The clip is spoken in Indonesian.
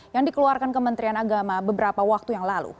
yang dikeluarkan kementerian agama beberapa waktu yang lalu